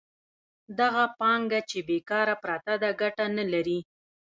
دغه پانګه چې بېکاره پرته ده ګټه نلري